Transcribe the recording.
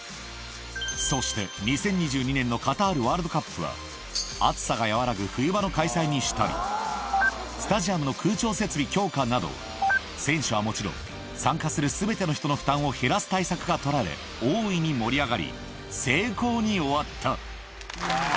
そして、２０２２年のカタールワールドカップは、暑さが和らぐ冬場の開催にしたり、スタジアムの空調設備強化など、選手はもちろん、参加するすべての人の負担を減らす対策が取られ、大いに盛り上がり、成功に終わった。